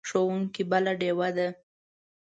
ښوونکی بله ډیوه ده.